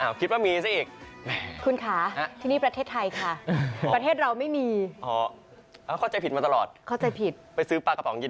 วันนี้แก้วตาเธอไปหาปลาไปยกยอด